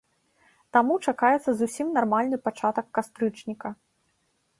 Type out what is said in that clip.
Таму чакаецца зусім нармальны пачатак кастрычніка.